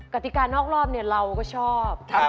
กติกานอกรอบเนี่ยเราก็ชอบ